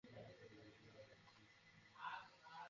অতএব, তোমরা সত্যের উপর অটল-অবিচল হয়ে থাক।